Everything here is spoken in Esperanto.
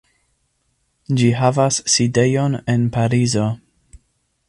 Ĝi havas sidejon en Parizo.